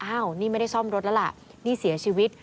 อ้าวนี่ไม่ได้ซ่อมรถแล้วล่ะนี่เสียชีวิต